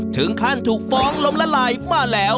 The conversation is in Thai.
ถึงขั้นถูกฟ้องล้มละลายมาแล้ว